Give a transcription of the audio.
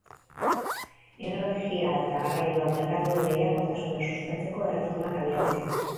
Energia eta garraioa merkatuen lehiakortasuna sustatzeko erreformak abiatzea.